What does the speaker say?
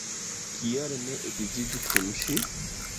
Kial ne edziĝu kun ŝi?